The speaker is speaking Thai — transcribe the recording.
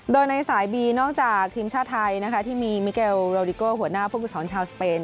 โดยในสายบีนอกจากทีมชาติไทยนะคะที่มีมิเกลโรดิโก้หัวหน้าผู้ฝึกสอนชาวสเปน